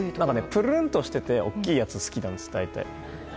ぷるんとしていて大きいやつが好きなんです。